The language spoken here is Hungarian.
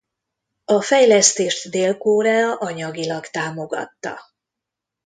A fejlesztést Dél-Korea anyagilag támogatta.